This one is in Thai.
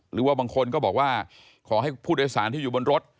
หรือว่าบางคนก็บอกว่าขอให้ผู้โดยสารที่อยู่บนรถ